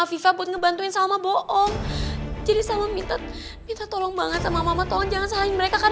ini si salma